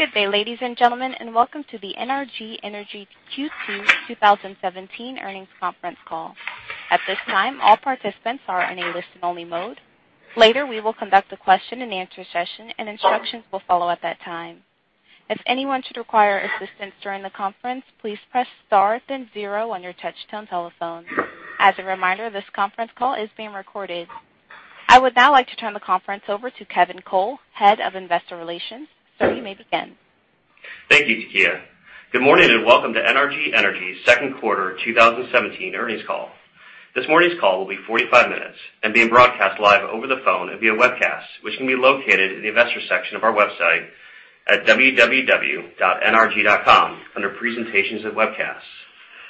Good day, ladies and gentlemen, and welcome to the NRG Energy Q2 2017 earnings conference call. At this time, all participants are in a listen-only mode. Later, we will conduct a question and answer session, and instructions will follow at that time. If anyone should require assistance during the conference, please press star then zero on your touch-tone telephone. As a reminder, this conference call is being recorded. I would now like to turn the conference over to Kevin Cole, Head of Investor Relations. Sir, you may begin. Thank you, Takia. Good morning, and welcome to NRG Energy's second quarter 2017 earnings call. This morning's call will be 45 minutes and being broadcast live over the phone and via webcast, which can be located in the Investors section of our website at www.nrg.com under Presentations and Webcasts.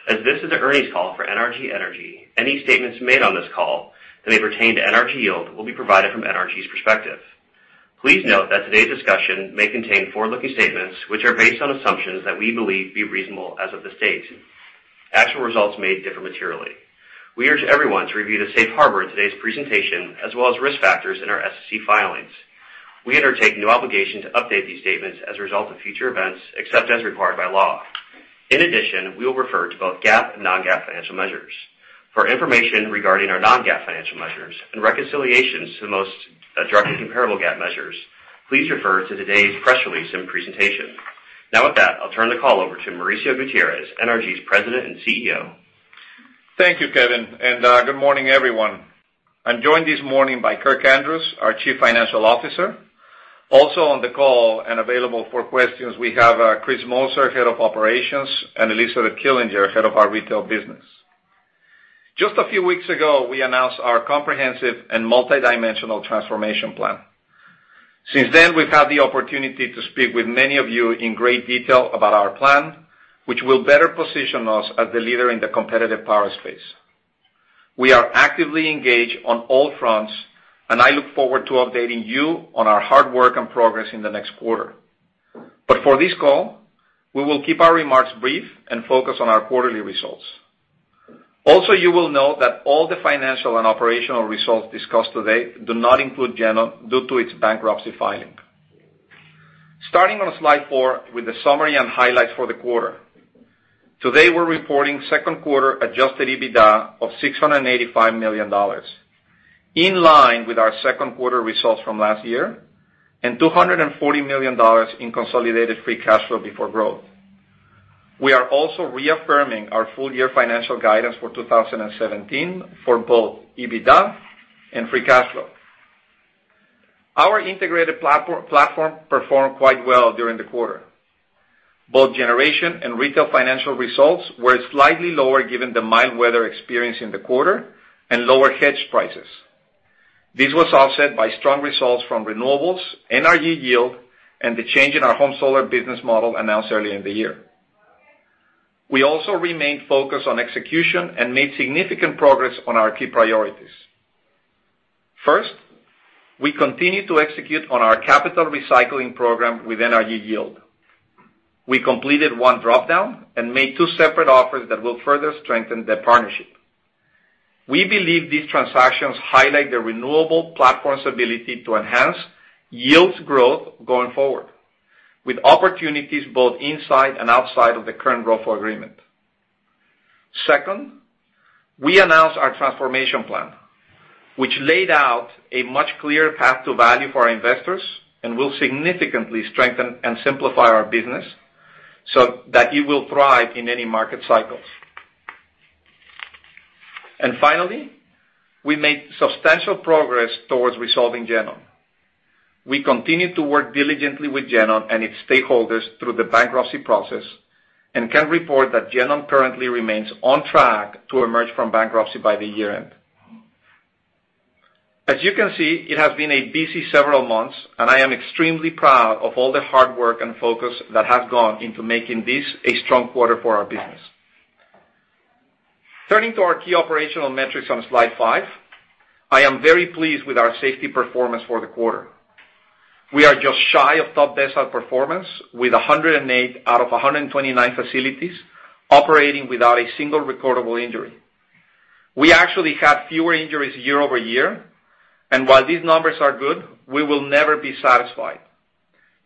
As this is the earnings call for NRG Energy, any statements made on this call that may pertain to NRG Yield will be provided from NRG's perspective. Please note that today's discussion may contain forward-looking statements which are based on assumptions that we believe to be reasonable as of this date. Actual results may differ materially. We urge everyone to review the safe harbor in today's presentation, as well as risk factors in our SEC filings. We undertake no obligation to update these statements as a result of future events, except as required by law. In addition, we will refer to both GAAP and non-GAAP financial measures. For information regarding our non-GAAP financial measures and reconciliations to the most directly comparable GAAP measures, please refer to today's press release and presentation. With that, I'll turn the call over to Mauricio Gutierrez, NRG's President and CEO. Thank you, Kevin, and good morning, everyone. I'm joined this morning by Kirkland Andrews, our Chief Financial Officer. Also on the call and available for questions, we have Chris Moser, Head of Operations, and Elizabeth Killinger, Head of our Retail Business. Just a few weeks ago, we announced our comprehensive and multidimensional transformation plan. Since then, we've had the opportunity to speak with many of you in great detail about our plan, which will better position us as the leader in the competitive power space. We are actively engaged on all fronts, and I look forward to updating you on our hard work and progress in the next quarter. For this call, we will keep our remarks brief and focus on our quarterly results. You will note that all the financial and operational results discussed today do not include GenOn due to its bankruptcy filing. Starting on slide four with the summary and highlights for the quarter. Today, we're reporting second quarter Adjusted EBITDA of $685 million, in line with our second quarter results from last year, and $240 million in consolidated Free Cash Flow before growth. We are also reaffirming our full-year financial guidance for 2017 for both EBITDA and Free Cash Flow. Our integrated platform performed quite well during the quarter. Both generation and retail financial results were slightly lower given the mild weather experienced in the quarter and lower hedge prices. This was offset by strong results from renewables, NRG Yield, and the change in our home solar business model announced earlier in the year. We also remained focused on execution and made significant progress on our key priorities. First, we continued to execute on our capital recycling program with NRG Yield. We completed one drop-down and made two separate offers that will further strengthen the partnership. We believe these transactions highlight the NRG Renewables' ability to enhance NRG Yield's growth going forward, with opportunities both inside and outside of the current ROFO agreement. Second, we announced our transformation plan, which laid out a much clearer path to value for our investors and will significantly strengthen and simplify our business so that it will thrive in any market cycles. Finally, we made substantial progress towards resolving GenOn. We continue to work diligently with GenOn and its stakeholders through the bankruptcy process and can report that GenOn currently remains on track to emerge from bankruptcy by the year-end. As you can see, it has been a busy several months, and I am extremely proud of all the hard work and focus that has gone into making this a strong quarter for our business. Turning to our key operational metrics on slide five, I am very pleased with our safety performance for the quarter. We are just shy of top decile performance with 108 out of 129 facilities operating without a single recordable injury. We actually had fewer injuries year-over-year, and while these numbers are good, we will never be satisfied.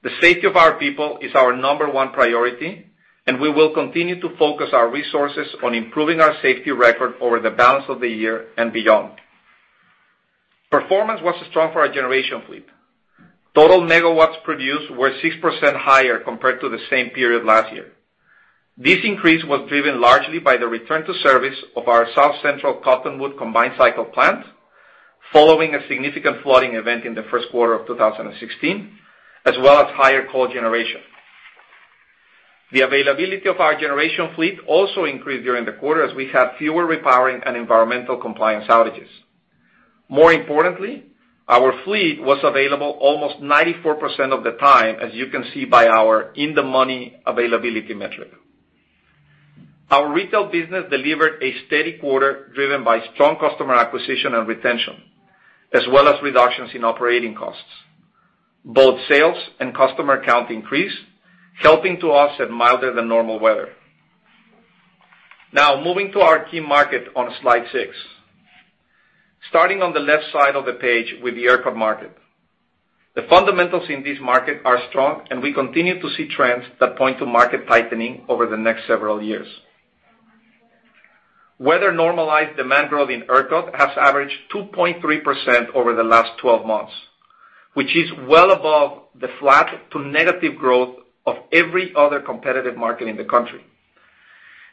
The safety of our people is our number one priority, and we will continue to focus our resources on improving our safety record over the balance of the year and beyond. Performance was strong for our generation fleet. Total megawatts produced were 6% higher compared to the same period last year. This increase was driven largely by the return to service of our Cottonwood Generating Station following a significant flooding event in the first quarter of 2016, as well as higher coal generation. The availability of our generation fleet also increased during the quarter as we had fewer repowering and environmental compliance outages. More importantly, our fleet was available almost 94% of the time, as you can see by our in-the-money availability metric. Our retail business delivered a steady quarter driven by strong customer acquisition and retention, as well as reductions in operating costs. Both sales and customer count increased, helping to offset milder than normal weather. Now moving to our key market on slide six. Starting on the left side of the page with the ERCOT market. The fundamentals in this market are strong, and we continue to see trends that point to market tightening over the next several years. Weather-normalized demand growth in ERCOT has averaged 2.3% over the last 12 months, which is well above the flat to negative growth of every other competitive market in the country.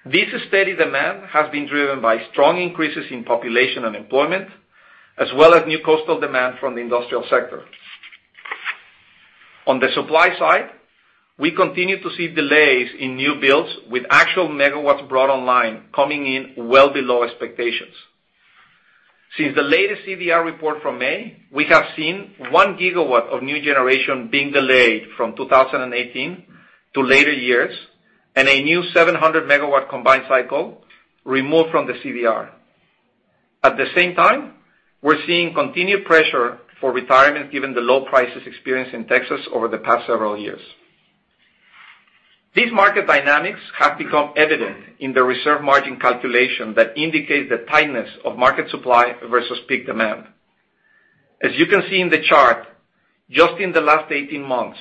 This steady demand has been driven by strong increases in population and employment, as well as new coastal demand from the industrial sector. On the supply side, we continue to see delays in new builds, with actual megawatts brought online coming in well below expectations. Since the latest CDR report from May, we have seen one gigawatt of new generation being delayed from 2018 to later years, and a new 700-megawatt combined cycle removed from the CVR. At the same time, we're seeing continued pressure for retirement given the low prices experienced in Texas over the past several years. These market dynamics have become evident in the reserve margin calculation that indicates the tightness of market supply versus peak demand. As you can see in the chart, just in the last 18 months,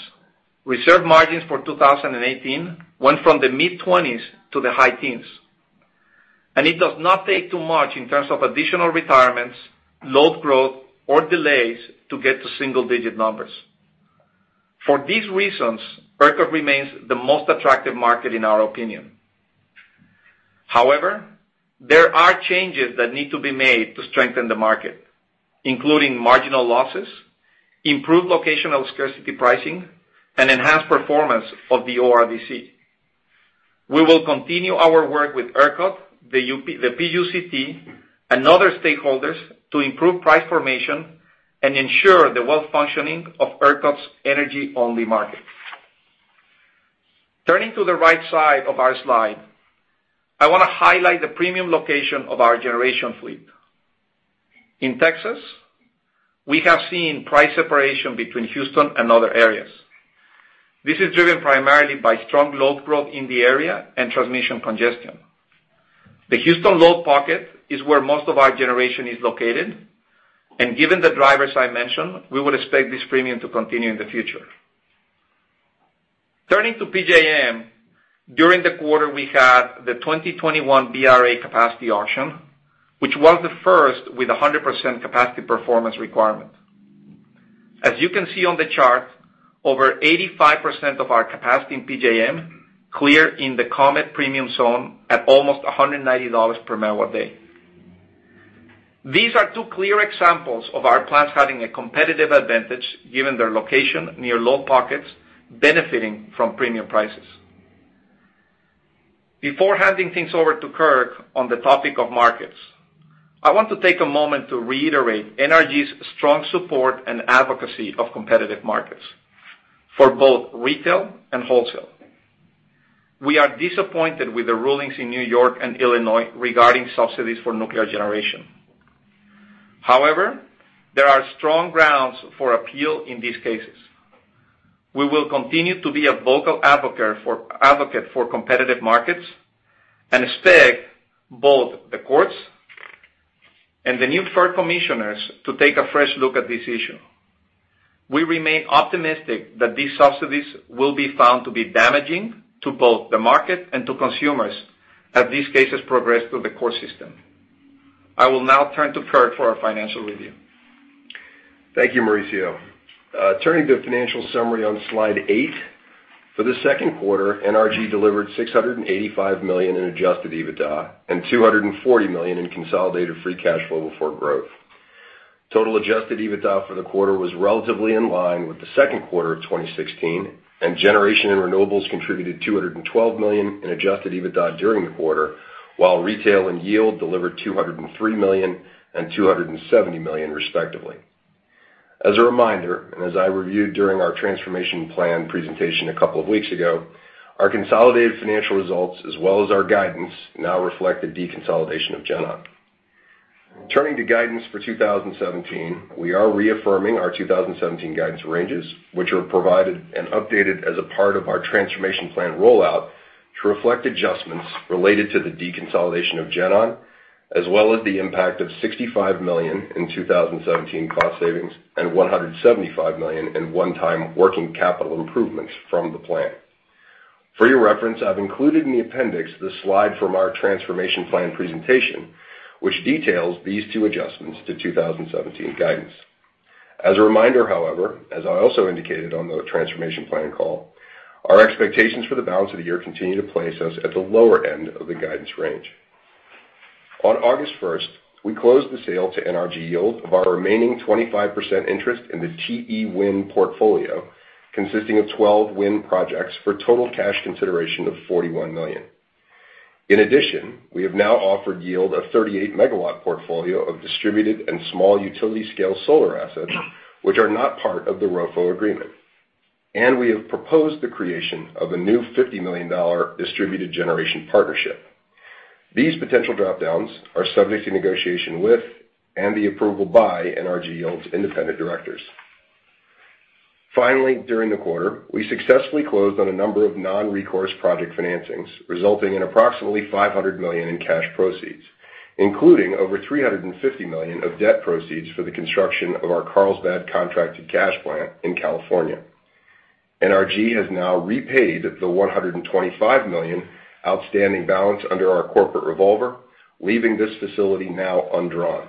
reserve margins for 2018 went from the mid-20s to the high teens. It does not take too much in terms of additional retirements, load growth, or delays to get to single-digit numbers. For these reasons, ERCOT remains the most attractive market in our opinion. There are changes that need to be made to strengthen the market, including marginal losses, improved locational scarcity pricing, and enhanced performance of the ORDC. We will continue our work with ERCOT, the PUCT, and other stakeholders to improve price formation and ensure the well-functioning of ERCOT's energy-only market. Turning to the right side of our slide, I want to highlight the premium location of our generation fleet. In Texas, we have seen price separation between Houston and other areas. This is driven primarily by strong load growth in the area and transmission congestion. The Houston load pocket is where most of our generation is located, and given the drivers I mentioned, we would expect this premium to continue in the future. Turning to PJM. During the quarter, we had the 2021 BRA capacity auction, which was the first with 100% Capacity Performance requirement. As you can see on the chart, over 85% of our capacity in PJM cleared in the common premium zone at almost $190 per megawatt day. These are two clear examples of our plants having a competitive advantage given their location near load pockets benefiting from premium prices. Before handing things over to Kirk on the topic of markets, I want to take a moment to reiterate NRG's strong support and advocacy of competitive markets for both retail and wholesale. We are disappointed with the rulings in New York and Illinois regarding subsidies for nuclear generation. There are strong grounds for appeal in these cases. We will continue to be a vocal advocate for competitive markets and expect both the courts and the new FERC commissioners to take a fresh look at this issue. We remain optimistic that these subsidies will be found to be damaging to both the market and to consumers as these cases progress through the court system. I will now turn to Kirk for our financial review. Thank you, Mauricio. Turning to the financial summary on slide eight. For the second quarter, NRG delivered $685 million in Adjusted EBITDA and $240 million in consolidated Free Cash Flow before growth. Total Adjusted EBITDA for the quarter was relatively in line with the second quarter of 2016, and generation and renewables contributed $212 million in Adjusted EBITDA during the quarter, while retail and Yield delivered $203 million and $270 million, respectively. As a reminder, and as I reviewed during our transformation plan presentation a couple of weeks ago, our consolidated financial results as well as our guidance now reflect the deconsolidation of GenOn. Turning to guidance for 2017. We are reaffirming our 2017 guidance ranges, which are provided and updated as a part of our transformation plan rollout to reflect adjustments related to the deconsolidation of GenOn, as well as the impact of $65 million in 2017 cost savings and $175 million in one-time working capital improvements from the plan. For your reference, I've included in the appendix the slide from our transformation plan presentation, which details these two adjustments to 2017 guidance. As a reminder, however, as I also indicated on the transformation plan call, our expectations for the balance of the year continue to place us at the lower end of the guidance range. On August 1st, we closed the sale to NRG Yield of our remaining 25% interest in the TE Wind portfolio, consisting of 12 wind projects for a total cash consideration of $41 million. In addition, we have now offered Yield a 38-megawatt portfolio of distributed and small utility-scale solar assets, which are not part of the ROFO agreement. We have proposed the creation of a new $50 million distributed generation partnership. These potential drop-downs are subject to negotiation with, and the approval by, NRG Yield's independent directors. Finally, during the quarter, we successfully closed on a number of non-recourse project financings, resulting in approximately $500 million in cash proceeds, including over $350 million of debt proceeds for the construction of our Carlsbad contracted gas plant in California. NRG has now repaid the $125 million outstanding balance under our corporate revolver, leaving this facility now undrawn.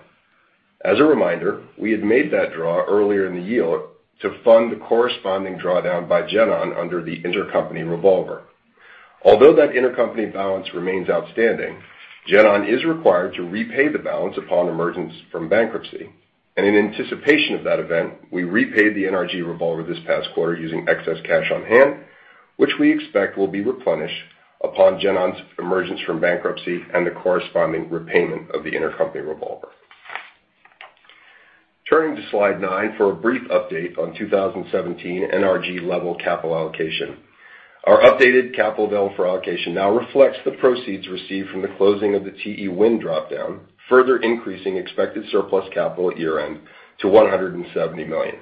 As a reminder, we had made that draw earlier in the year to fund the corresponding drawdown by GenOn under the intercompany revolver. Although that intercompany balance remains outstanding, GenOn is required to repay the balance upon emergence from bankruptcy. In anticipation of that event, we repaid the NRG revolver this past quarter using excess cash on hand, which we expect will be replenished upon GenOn's emergence from bankruptcy and the corresponding repayment of the intercompany revolver. Turning to slide nine for a brief update on 2017 NRG level capital allocation. Our updated capital available for allocation now reflects the proceeds received from the closing of the TE Wind drop down, further increasing expected surplus capital at year-end to $170 million.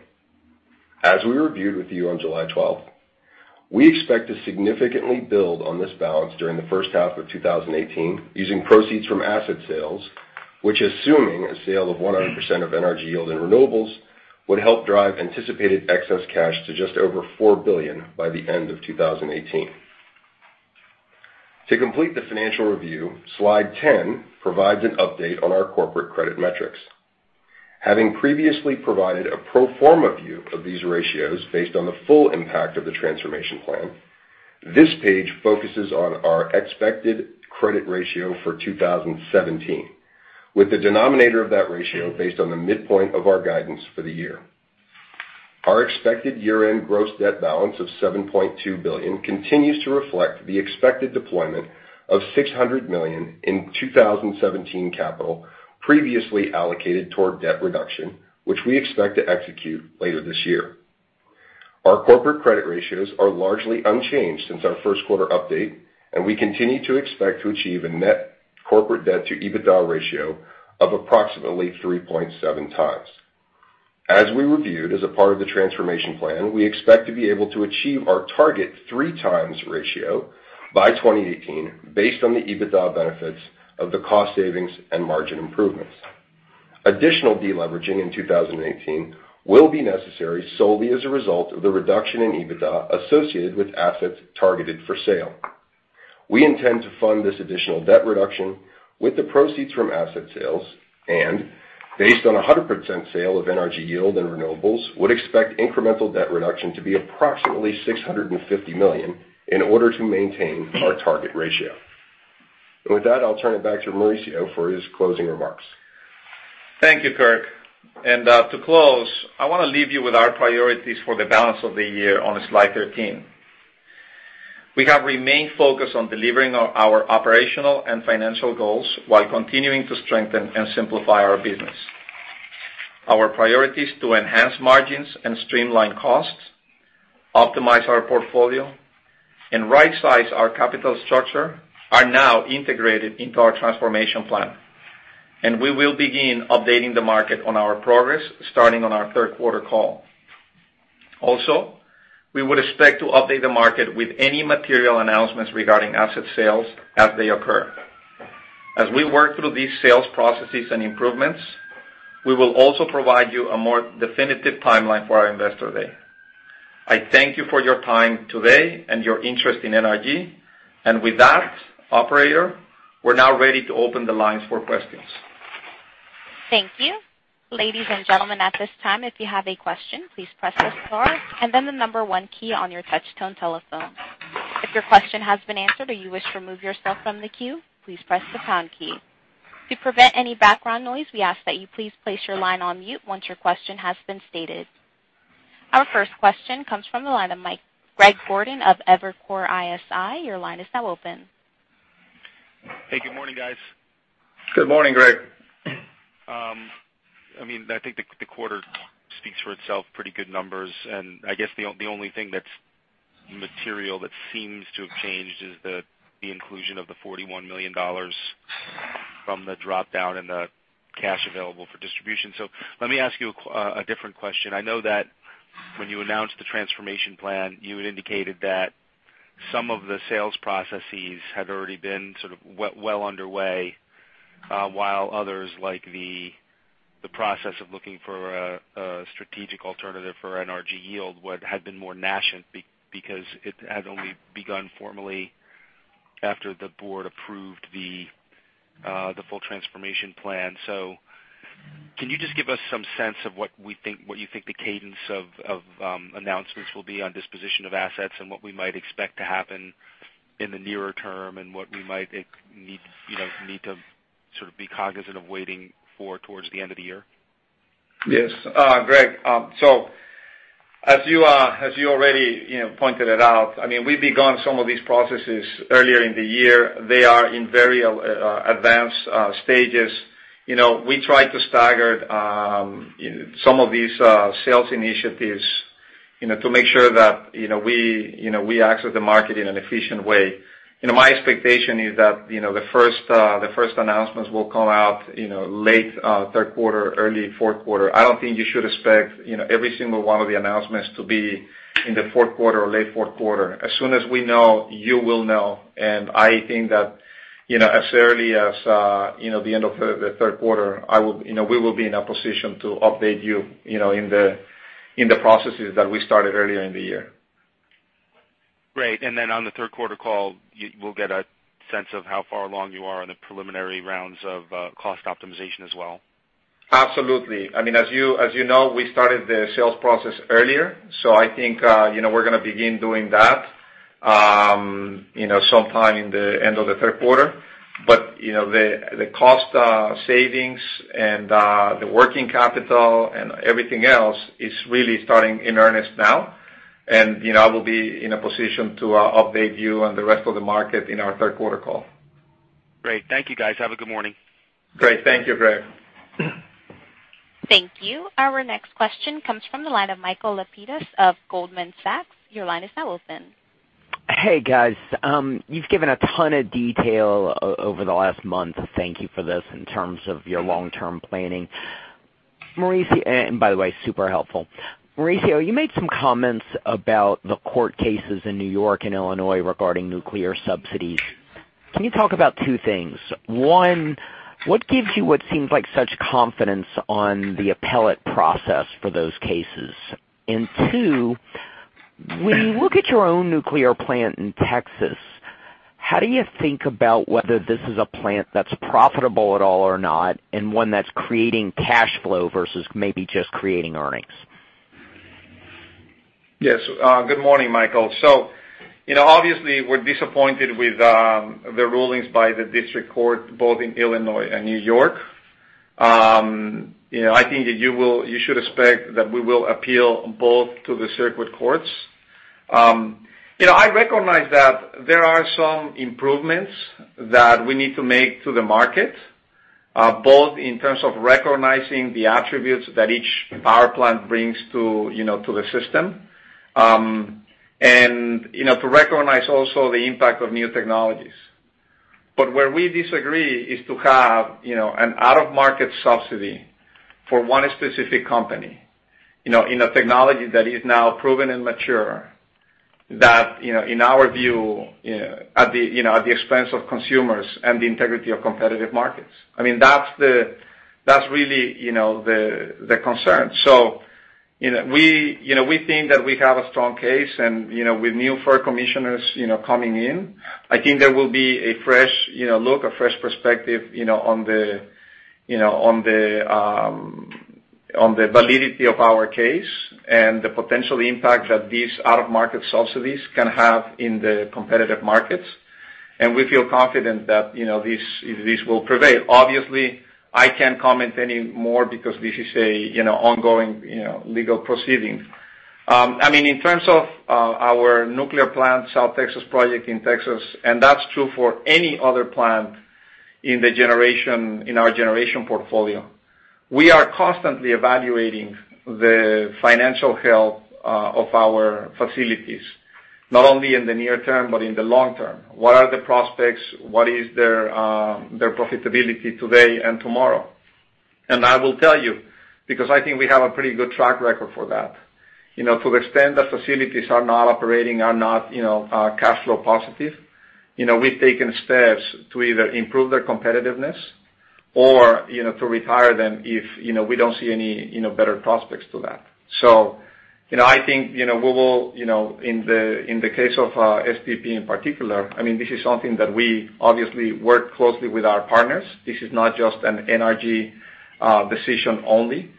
As we reviewed with you on July 12th, we expect to significantly build on this balance during the first half of 2018 using proceeds from asset sales, which assuming a sale of 100% of NRG Yield and Renewables, would help drive anticipated excess cash to just over $4 billion by the end of 2018. To complete the financial review, slide 10 provides an update on our corporate credit metrics. Having previously provided a pro forma view of these ratios based on the full impact of the transformation plan, this page focuses on our expected credit ratio for 2017, with the denominator of that ratio based on the midpoint of our guidance for the year. Our expected year-end gross debt balance of $7.2 billion continues to reflect the expected deployment of $600 million in 2017 capital previously allocated toward debt reduction, which we expect to execute later this year. Our corporate credit ratios are largely unchanged since our first quarter update, we continue to expect to achieve a net corporate debt to EBITDA ratio of approximately 3.7 times. As we reviewed as a part of the transformation plan, we expect to be able to achieve our target 3 times ratio by 2018 based on the EBITDA benefits of the cost savings and margin improvements. Additional deleveraging in 2018 will be necessary solely as a result of the reduction in EBITDA associated with assets targeted for sale. We intend to fund this additional debt reduction with the proceeds from asset sales based on 100% sale of NRG Yield and Renewables, would expect incremental debt reduction to be approximately $650 million in order to maintain our target ratio. With that, I'll turn it back to Mauricio for his closing remarks. Thank you, Kirk. To close, I want to leave you with our priorities for the balance of the year on slide 13. We have remained focused on delivering our operational and financial goals while continuing to strengthen and simplify our business. Our priorities to enhance margins and streamline costs, optimize our portfolio, and right-size our capital structure are now integrated into our transformation plan. We will begin updating the market on our progress starting on our third-quarter call. Also, we would expect to update the market with any material announcements regarding asset sales as they occur. As we work through these sales processes and improvements, we will also provide you a more definitive timeline for our investor day. I thank you for your time today and your interest in NRG. With that, operator, we're now ready to open the lines for questions. Thank you. Ladies and gentlemen, at this time, if you have a question, please press star, then the number one key on your touch-tone telephone. If your question has been answered or you wish to remove yourself from the queue, please press the pound key. To prevent any background noise, we ask that you please place your line on mute once your question has been stated. Our first question comes from the line of Greg Gordon of Evercore ISI. Your line is now open. Hey, good morning, guys. Good morning, Greg. I think the quarter speaks for itself. Pretty good numbers. I guess the only thing that's material that seems to have changed is the inclusion of the $41 million from the drop-down and the cash available for distribution. Let me ask you a different question. I know that when you announced the Transformation Plan, you had indicated that some of the sales processes had already been sort of well underway, while others, like the process of looking for a strategic alternative for NRG Yield, had been more nascent because it had only begun formally after the board approved the full Transformation Plan. Can you just give us some sense of what you think the cadence of announcements will be on disposition of assets and what we might expect to happen in the nearer term, and what we might need to sort of be cognizant of waiting for towards the end of the year? Yes. Greg, as you already pointed out, we've begun some of these processes earlier in the year. They are in very advanced stages. We try to stagger some of these sales initiatives to make sure that we access the market in an efficient way. My expectation is that the first announcements will come out late third quarter, early fourth quarter. I don't think you should expect every single one of the announcements to be in the fourth quarter or late fourth quarter. As soon as we know, you will know. I think that as early as the end of the third quarter, we will be in a position to update you in the processes that we started earlier in the year. Great. Then on the third quarter call, we'll get a sense of how far along you are on the preliminary rounds of cost optimization as well. Absolutely. As you know, we started the sales process earlier. I think we're going to begin doing that sometime in the end of the third quarter. The cost savings and the working capital and everything else is really starting in earnest now. We'll be in a position to update you on the rest of the market in our third quarter call. Great. Thank you guys. Have a good morning. Great. Thank you, Greg. Thank you. Our next question comes from the line of Michael Lapides of Goldman Sachs. Your line is now open. Hey, guys. You've given a ton of detail over the last month, thank you for this, in terms of your long-term planning. By the way, super helpful. Mauricio, you made some comments about the court cases in New York and Illinois regarding nuclear subsidies. Can you talk about two things? One, what gives you what seems like such confidence on the appellate process for those cases? Two, when you look at your own nuclear plant in Texas, how do you think about whether this is a plant that's profitable at all or not, and one that's creating cash flow versus maybe just creating earnings? Yes. Good morning, Michael. Obviously we're disappointed with the rulings by the district court, both in Illinois and New York. I think that you should expect that we will appeal both to the circuit courts. I recognize that there are some improvements that we need to make to the market, both in terms of recognizing the attributes that each power plant brings to the system, and to recognize also the impact of new technologies. Where we disagree is to have an out-of-market subsidy for one specific company in a technology that is now proven and mature, that, in our view, at the expense of consumers and the integrity of competitive markets. That's really the concern. We think that we have a strong case. With new FERC commissioners coming in, I think there will be a fresh look, a fresh perspective on the validity of our case and the potential impact that these out-of-market subsidies can have in the competitive markets. We feel confident that this will prevail. Obviously, I can't comment any more because this is an ongoing legal proceeding. In terms of our nuclear plant, South Texas Project in Texas, and that's true for any other plant in our generation portfolio. We are constantly evaluating the financial health of our facilities, not only in the near term, but in the long term. What are the prospects? What is their profitability today and tomorrow? I will tell you, because I think we have a pretty good track record for that. To the extent that facilities are not operating, are not cash flow positive, we've taken steps to either improve their competitiveness or to retire them if we don't see any better prospects to that. I think, in the case of STP in particular, this is something that we obviously work closely with our partners. This is not just an NRG decision only.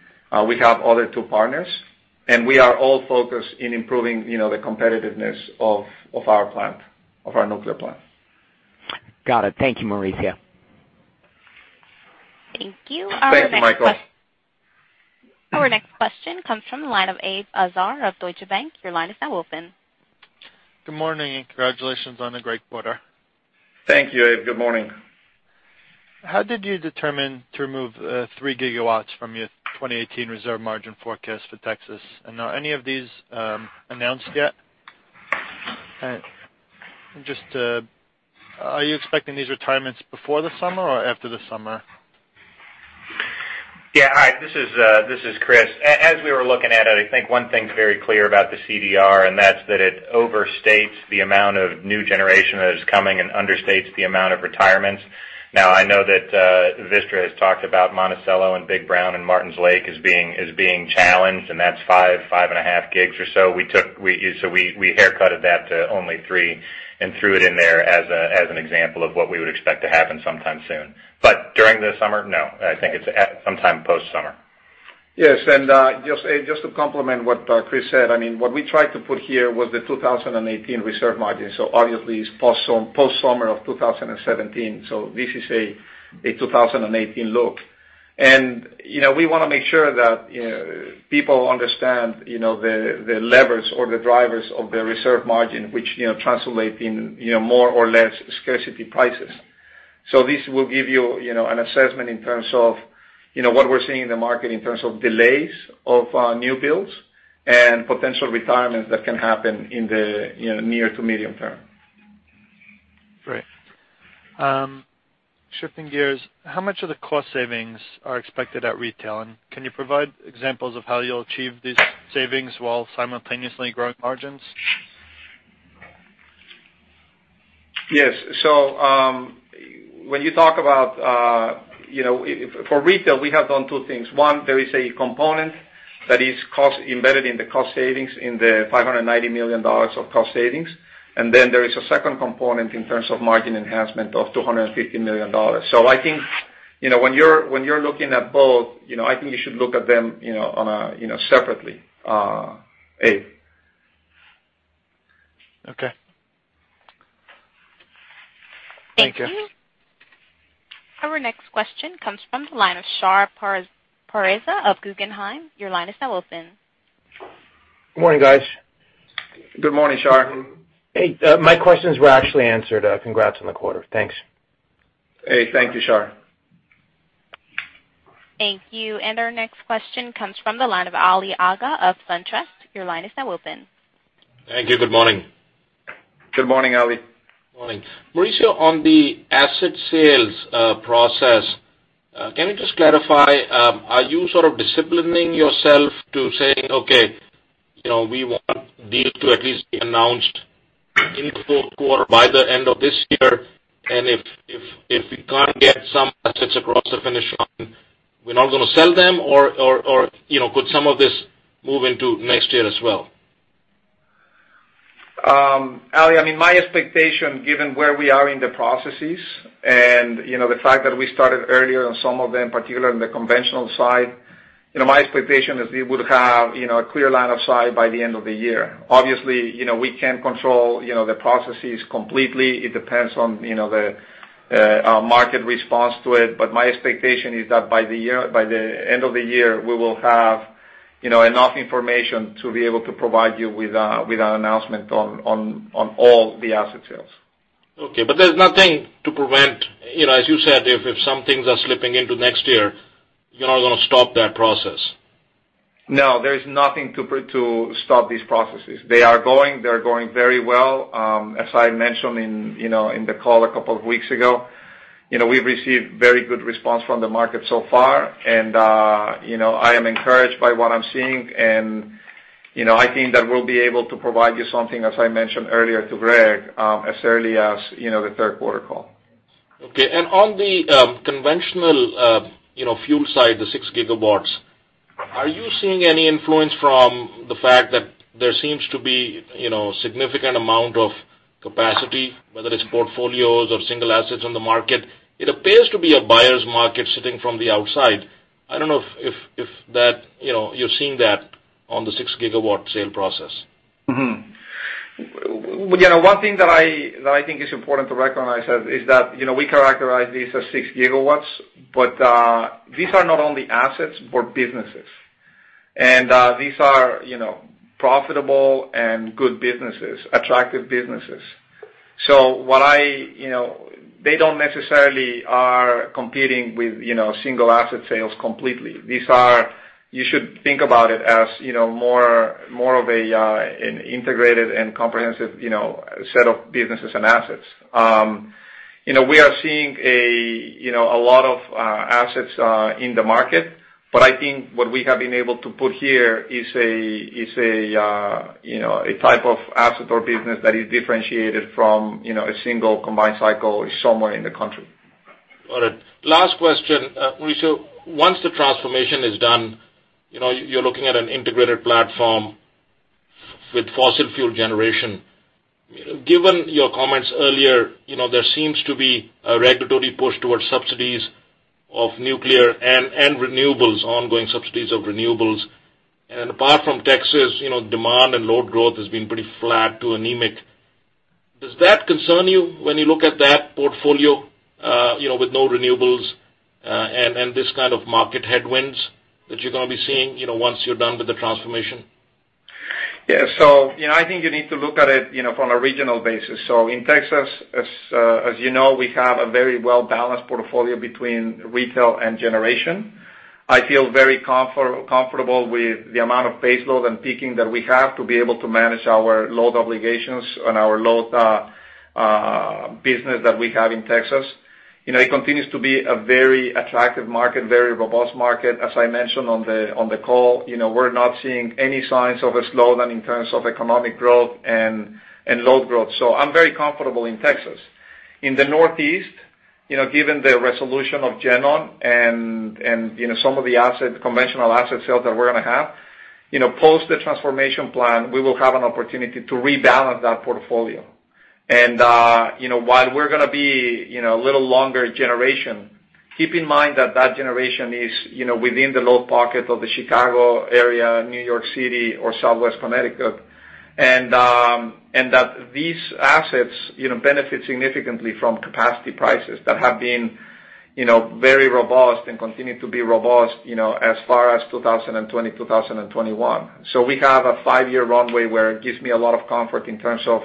We have other two partners. We are all focused in improving the competitiveness of our nuclear plant. Got it. Thank you, Mauricio. Thank you. Thanks, Michael. Our next question comes from the line of Abe Azar of Deutsche Bank. Your line is now open. Good morning, congratulations on a great quarter. Thank you, Abe. Good morning. How did you determine to remove three gigawatts from your 2018 reserve margin forecast for Texas? Are any of these announced yet? Just are you expecting these retirements before the summer or after the summer? Yeah. Hi, this is Chris. As we were looking at it, I think one thing's very clear about the CDR, and that's that it overstates the amount of new generation that is coming and understates the amount of retirements. I know that Vistra has talked about Monticello and Big Brown and Martin Lake as being challenged, and that's five and a half gigs or so. We haircutted that to only three and threw it in there as an example of what we would expect to happen sometime soon. During the summer? No, I think it's at sometime post-summer. Yes. Just to complement what Chris said, what we tried to put here was the 2018 reserve margin, so obviously it's post-summer of 2017, so this is a 2018 look. We want to make sure that people understand the levers or the drivers of the reserve margin, which translate in more or less scarcity prices. This will give you an assessment in terms of what we're seeing in the market in terms of delays of new builds and potential retirements that can happen in the near to medium term. Great. Shifting gears, how much of the cost savings are expected at retail, can you provide examples of how you'll achieve these savings while simultaneously growing margins? Yes. For retail, we have done two things. One, there is a component that is embedded in the cost savings, in the $590 million of cost savings, there is a second component in terms of margin enhancement of $215 million. I think when you're looking at both, I think you should look at them separately, Abe. Okay. Thank you. Thank you. Our next question comes from the line of Shar Pourreza of Guggenheim. Your line is now open. Good morning, guys. Good morning, Shar. Hey. My questions were actually answered. Congrats on the quarter. Thanks. Hey, thank you, Shar. Thank you. Our next question comes from the line of Ali Agha of SunTrust. Your line is now open. Thank you. Good morning. Good morning, Ali. Morning. Mauricio, on the asset sales process, can you just clarify, are you sort of disciplining yourself to saying, "Okay, we want deals to at least be announced in the fourth quarter by the end of this year. If we can't get some assets across the finish line, we're not going to sell them." Could some of this move into next year as well? Ali, my expectation, given where we are in the processes and the fact that we started earlier on some of them, particularly on the conventional side. My expectation is we would have a clear line of sight by the end of the year. Obviously, we can't control the processes completely. It depends on the market response to it. My expectation is that by the end of the year, we will have enough information to be able to provide you with an announcement on all the asset sales. Okay, there's nothing to prevent, as you said, if some things are slipping into next year, you're not going to stop that process. No, there is nothing to stop these processes. They are going very well. As I mentioned in the call a couple of weeks ago, we've received very good response from the market so far. I am encouraged by what I'm seeing, I think that we'll be able to provide you something, as I mentioned earlier to Greg, as early as the third quarter call. Okay. On the conventional fuel side, the 6 gigawatts, are you seeing any influence from the fact that there seems to be significant amount of capacity, whether it's portfolios or single assets on the market? It appears to be a buyer's market sitting from the outside. I don't know if you're seeing that on the 6 gigawatt sale process. One thing that I think is important to recognize is that we characterize these as 6 gigawatts, these are not only assets, but businesses. These are profitable and good businesses, attractive businesses. They don't necessarily are competing with single asset sales completely. You should think about it as more of an integrated and comprehensive set of businesses and assets. We are seeing a lot of assets in the market, I think what we have been able to put here is a type of asset or business that is differentiated from a single combined cycle somewhere in the country. Got it. Last question. Mauricio, once the transformation is done, you're looking at an integrated platform with fossil fuel generation. Given your comments earlier, there seems to be a regulatory push towards subsidies of nuclear and renewables, ongoing subsidies of renewables. Apart from Texas, demand and load growth has been pretty flat to anemic. Does that concern you when you look at that portfolio with no renewables and this kind of market headwinds that you're going to be seeing once you're done with the transformation? Yeah. I think you need to look at it from a regional basis. In Texas, as you know, we have a very well-balanced portfolio between retail and generation. I feel very comfortable with the amount of base load and peaking that we have to be able to manage our load obligations on our load business that we have in Texas. It continues to be a very attractive market, very robust market. As I mentioned on the call, we're not seeing any signs of a slowdown in terms of economic growth and load growth. I'm very comfortable in Texas. In the Northeast, given the resolution of GenOn and some of the conventional asset sales that we're going to have. Post the transformation plan, we will have an opportunity to rebalance that portfolio. While we're going to be a little longer generation, keep in mind that that generation is within the load pocket of the Chicago area, New York City, or Southwest Connecticut, and that these assets benefit significantly from capacity prices that have been very robust and continue to be robust as far as 2020, 2021. We have a five-year runway where it gives me a lot of comfort in terms of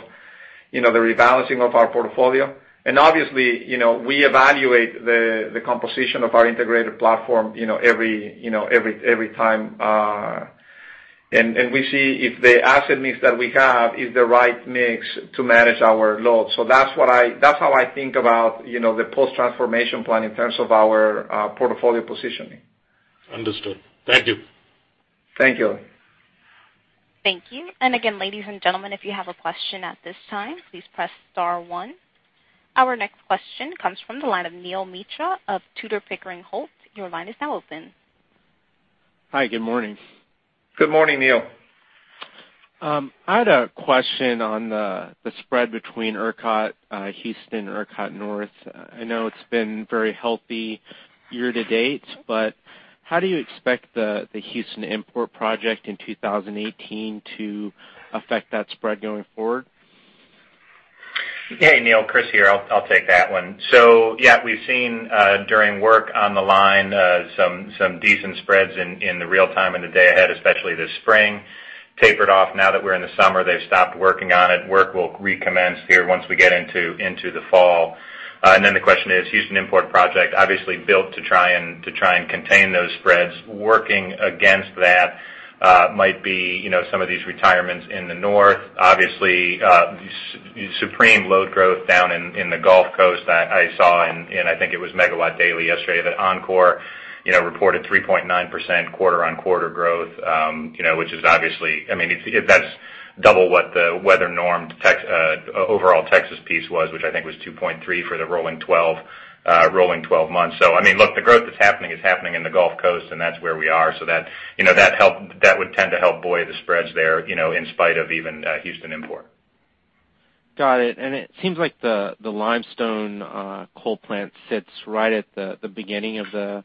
the rebalancing of our portfolio. Obviously, we evaluate the composition of our integrated platform every time. We see if the asset mix that we have is the right mix to manage our load. That's how I think about the post transformation plan in terms of our portfolio positioning. Understood. Thank you. Thank you. Thank you. Again, ladies and gentlemen, if you have a question at this time, please press star one. Our next question comes from the line of Neel Mitra of Tudor, Pickering, Holt & Co. Your line is now open. Hi, good morning. Good morning, Neel. I had a question on the spread between ERCOT, Houston, ERCOT North. I know it's been very healthy year-to-date. How do you expect the Houston Import Project in 2018 to affect that spread going forward? Hey, Neel, Chris here. I'll take that one. Yeah, we've seen during work on the line some decent spreads in the real-time and the day-ahead, especially this spring. Tapered off now that we're in the summer, they've stopped working on it. Work will recommence here once we get into the fall. The question is, Houston Import Project obviously built to try and contain those spreads. Working against that might be some of these retirements in the north, obviously, supreme load growth down in the Gulf Coast. I saw in, I think it was Megawatt Daily yesterday, that Oncor reported 3.9% quarter-on-quarter growth, which is obviously, I mean, that's double what the weather norm overall Texas piece was, which I think was 2.3% for the rolling 12 months. I mean, look, the growth that's happening is happening in the Gulf Coast, and that's where we are. That would tend to help buoy the spreads there in spite of even Houston Import. Got it. It seems like the Limestone coal plant sits right at the beginning of the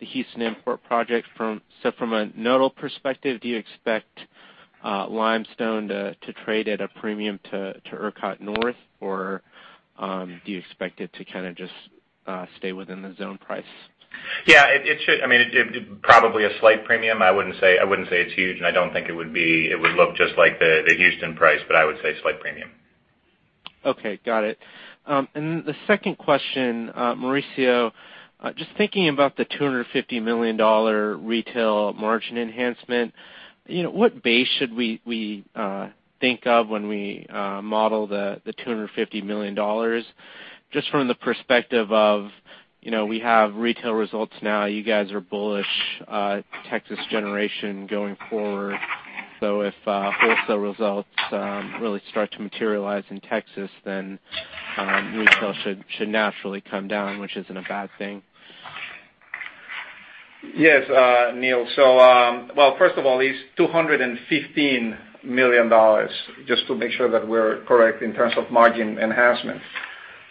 Houston Import Project. From a nodal perspective, do you expect Limestone to trade at a premium to ERCOT North, or do you expect it to kind of just stay within the zone price? Yeah, it should. I mean, probably a slight premium. I wouldn't say it's huge, and I don't think it would look just like the Houston price, but I would say slight premium. Okay. Got it. The second question, Mauricio, just thinking about the $250 million retail margin enhancement, what base should we think of when we model the $250 million just from the perspective of, we have retail results now, you guys are bullish Texas generation going forward. If wholesale results really start to materialize in Texas, then retail should naturally come down, which isn't a bad thing. Yes, Neel. Well, first of all, it's $215 million, just to make sure that we're correct in terms of margin enhancements.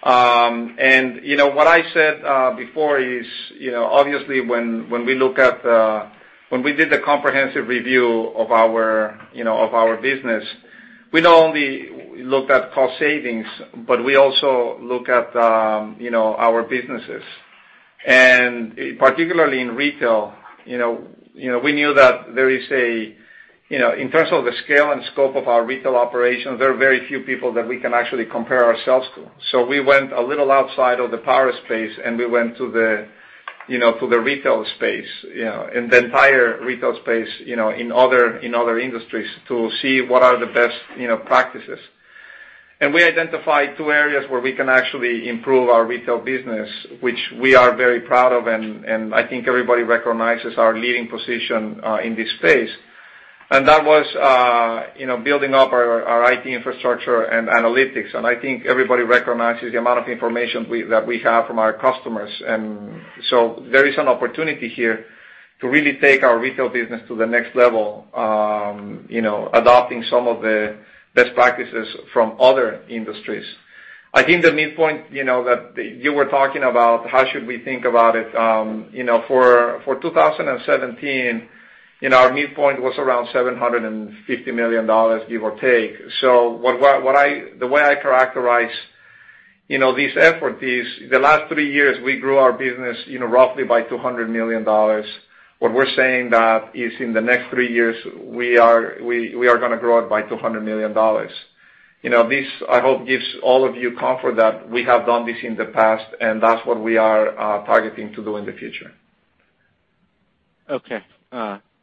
What I said before is, obviously when we did the comprehensive review of our business, we not only looked at cost savings, but we also look at our businesses. Particularly in retail, we knew that in terms of the scale and scope of our retail operations, there are very few people that we can actually compare ourselves to. We went a little outside of the power space, and we went to the retail space, in the entire retail space in other industries to see what are the best practices. We identified two areas where we can actually improve our retail business, which we are very proud of, and I think everybody recognizes our leading position in this space. That was building up our IT infrastructure and analytics. I think everybody recognizes the amount of information that we have from our customers. There is an opportunity here to really take our retail business to the next level, adopting some of the best practices from other industries. I think the midpoint that you were talking about, how should we think about it? For 2017, our midpoint was around $750 million, give or take. The way I characterize these effort is the last three years, we grew our business roughly by $200 million. What we're saying that is in the next three years, we are going to grow it by $200 million. This, I hope, gives all of you comfort that we have done this in the past, and that's what we are targeting to do in the future. Okay.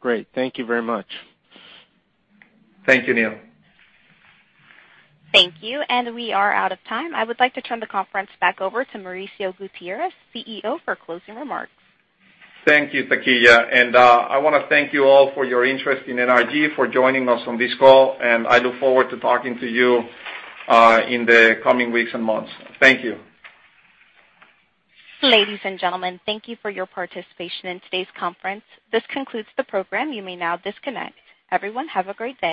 Great. Thank you very much. Thank you, Neel. Thank you. We are out of time. I would like to turn the conference back over to Mauricio Gutierrez, CEO, for closing remarks. Thank you, Takia. I want to thank you all for your interest in NRG, for joining us on this call, and I look forward to talking to you in the coming weeks and months. Thank you. Ladies and gentlemen, thank you for your participation in today's conference. This concludes the program. You may now disconnect. Everyone, have a great day.